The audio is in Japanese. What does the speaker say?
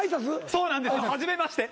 そうなんです初めまして。